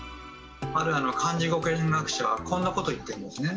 ある漢字語源学者はこんなことを言ってるんですね。